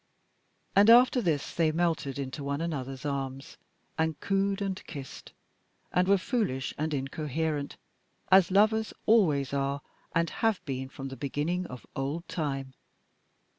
And after this they melted into one another's arms, and cooed and kissed, and were foolish and incoherent, as lovers always are and have been from the beginning of old time.